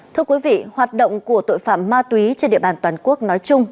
thưa quý vị hoạt động của tội phạm ma túy trên địa bàn toàn quốc nói chung